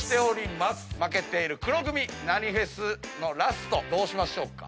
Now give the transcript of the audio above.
負けている黒組何フェスのラストどうしましょうか？